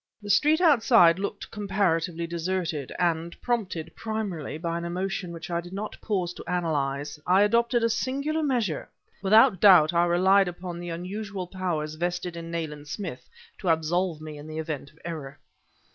The street outside looked comparatively deserted, and prompted, primarily, by an emotion which I did not pause to analyze, I adopted a singular measure; without doubt I relied upon the unusual powers vested in Nayland Smith to absolve me in the event of error.